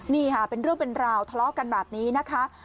นี่ค่ะเป็นเรื่องเป็นราวทะเลาะกันแบบนี้นะคะ